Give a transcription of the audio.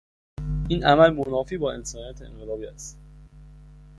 این عمل منافی با انسانیت انقلابی است.